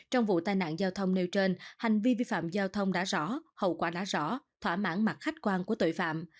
trong vụ tai nạn giao thông nêu trên hành vi vi phạm giao thông đã rõ hậu quả đã rõ thỏa mãn mặt khách quan của tội phạm